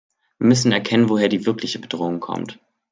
Wir müssen erkennen, woher die wirkliche Bedrohung kommt.